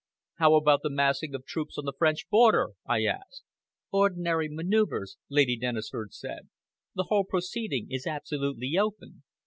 "How about the massing of troops on the French frontier?" I asked. "Ordinary manoeuvres," Lady Dennisford said. "The whole proceeding is absolutely open."